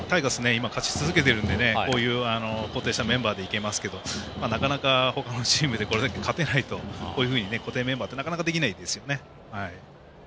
今勝ち続けているのでこういう固定したメンバーでいけますけどなかなか他のチームでこれだけ勝てないとこういうふうに固定メンバーってなかなかできないですよね。